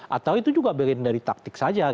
atau itu juga bagian dari taktik saja